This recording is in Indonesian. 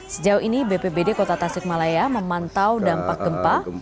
sejauh ini bpbd kota tasikmalaya memantau dampak gempa